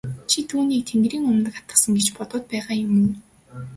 Чи түүнийг тэнгэрийн умдаг атгасан гэж бодоод байгаа юм уу?